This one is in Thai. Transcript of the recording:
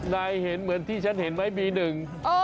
เห็นเหมือนที่ฉันเห็นไหมมีหนึ่ง